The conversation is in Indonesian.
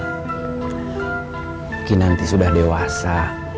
mungkin nanti sudah dewasa